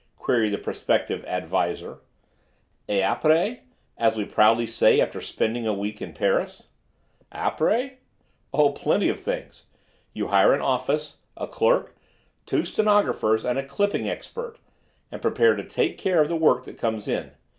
queried the prospective "Ad Visor." "Et aprés? as we proudly say after spending a week in Paris." "Aprés? Oh, plenty of things. You hire an office, a clerk, two stenographers and a clipping export, and prepare to take care of the work that comes in.